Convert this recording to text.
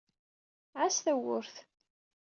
Ɛass tawwurt.